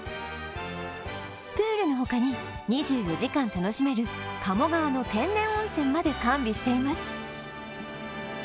プールのほかに、２４時間楽しめる鴨川の天然温泉まで完備しています。